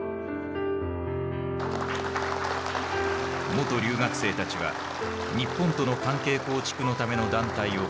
元留学生たちは日本との関係構築のための団体を結成。